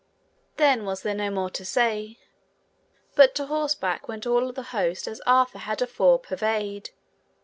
Then was there no more to say, but to horseback went all the host as Arthur had afore purveyed.